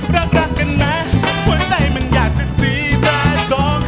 รักรักกันไหมหัวใจมันอยากจะตีตราจอง